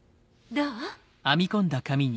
どう？